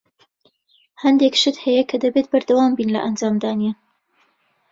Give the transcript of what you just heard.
هەندێک شت هەیە کە دەبێت بەردەوام بین لە ئەنجامدانیان.